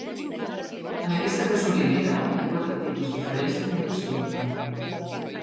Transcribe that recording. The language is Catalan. En aquesta gasolinera hi ha quatre tipus diferents de combustible.